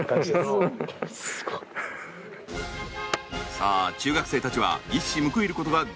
さあ中学生たちは一矢報いることができるのか？